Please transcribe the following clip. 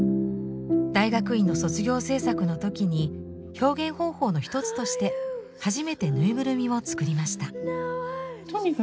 大学院の卒業制作の時に表現方法の一つとして初めてぬいぐるみを作りました。